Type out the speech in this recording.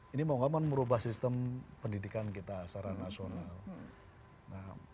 ini mau gak mau merubah sistem pendidikan kita secara nasional